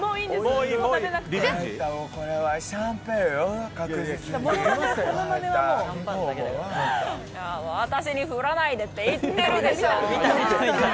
わたしに振らないでって言っているでしょ。